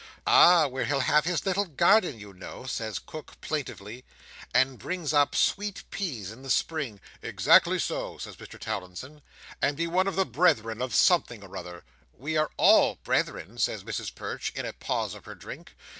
"Ah, where he'll have his little garden, you know," says Cook plaintively, "and bring up sweet peas in the spring." "Exactly so," says Mr Towlinson, "and be one of the Brethren of something or another." "We are all brethren," says Mrs Perch, in a pause of her drink.